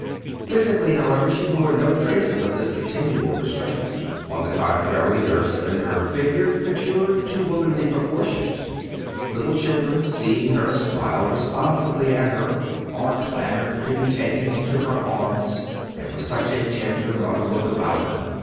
Physically, however, she bore no traces of this continual restraint. On the contrary, her slender figure matured to womanly proportions. Little children, seeing her, smiled responsively at her, or clamored to be taken into her arms, there was such a tender mother look about her.